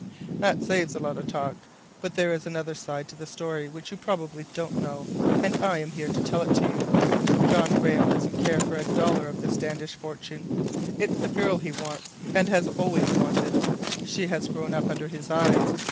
"That saves a lot of talk. But there is another side to the story which you probably don't know, and I am here to tell it to you. John Graham doesn't care for a dollar of the Standish fortune. It's the girl he wants, and has always wanted. She has grown up under his eyes.